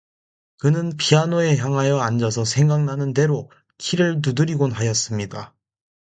그는 피아노에 향하여 앉아서 생각나는 대로 키를 두드리곤 하였습니다.